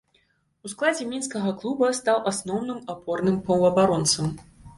У складзе мінскага клуба стаў асноўным апорным паўабаронцам.